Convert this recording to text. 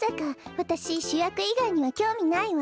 わたししゅやくいがいにはきょうみないわ。